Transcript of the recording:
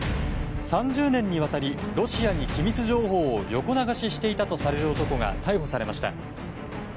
３０年にわたりロシアに機密情報を横流ししていたとされる男が逮捕されました。